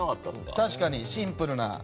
確かにシンプルな。